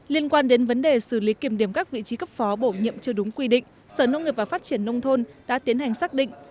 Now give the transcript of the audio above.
liên quan đến vấn đề xử lý kiểm điểm các vị trí cấp phó bổ nhiệm chưa đúng quy định sở nông nghiệp và phát triển nông thôn đã tiến hành xác định